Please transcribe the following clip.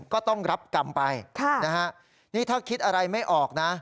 ก็ต้องรับกรรมไปนี่ถ้าคิดอะไรไม่ออกนะ